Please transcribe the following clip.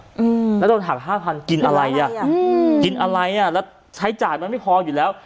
อืมแล้วโดนหักห้าพันกินอะไรอ่ะอืมกินอะไรอ่ะแล้วใช้จ่ายมันไม่พออยู่แล้ว